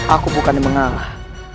aku bukan mengalah